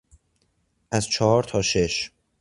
از چهار تا شش